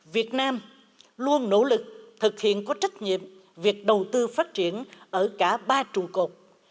việt nam luôn nỗ lực thực hiện có trách nhiệm việc đầu tư phát triển ở cả ba trùng cột